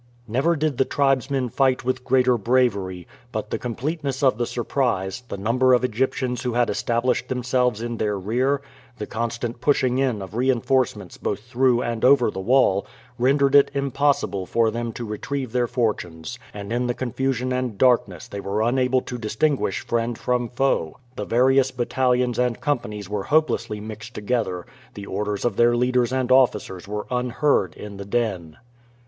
Never did the tribesmen fight with greater bravery; but the completeness of the surprise, the number of the Egyptians who had established themselves in their rear, the constant pushing in of reinforcements both through and over the wall, rendered it impossible for them to retrieve their fortunes; and in the confusion and darkness they were unable to distinguish friend from foe. The various battalions and companies were hopelessly mixed together; the orders of their leaders and officers were unheard in the din.